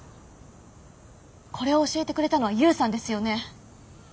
これを教えてくれたのは勇さんですよね。